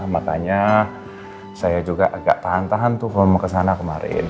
makanya saya juga agak tahan tahan tuh kalau mau kesana kemarin